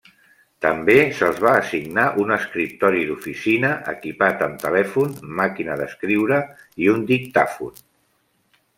També se'ls va assignar un escriptori d'oficina equipat amb telèfon, màquina d'escriure i un dictàfon.